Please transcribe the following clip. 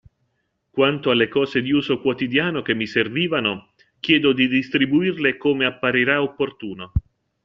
Quanto alle cose di uso quotidiano che mi servivano, chiedo di distribuirle come apparirà opportuno.